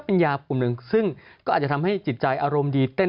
เป็นยากลุ่มหนึ่งซึ่งก็อาจจะทำให้จิตใจอารมณ์ดีเต้น